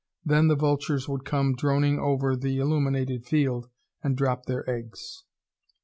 Then the vultures would come droning over the illuminated field and drop their eggs.